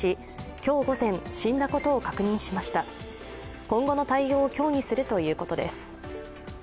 今後の対応を協議するということです。